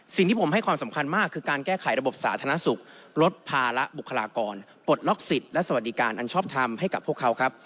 สิ่งที่ผมให้ความสำคัญมากคือการแก้ไขระบบสาธารณสุขลดภาระบุคลากรปลดล็อกสิทธิ์และสวัสดิการอันชอบทำให้กับพวกเขาครับ